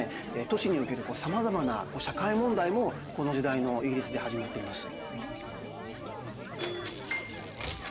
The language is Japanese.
都市におけるさまざまな社会問題もこの時代のイギリスで始まっています。